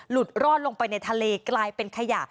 รอดลงไปในทะเลกลายเป็นขยะ